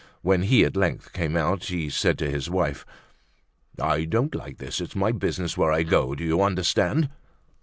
When he at length came out he said to his wife: "I don't like this. It's my business where I go. Do you understand?"